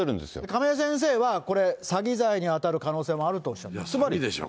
亀井先生は、これ、詐欺罪に当たる可能性もあるとおっしゃっています。